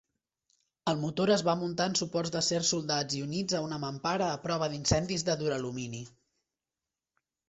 El motor es va muntar en suports d'acer soldats i units a una mampara a prova d'incendis de duralumini.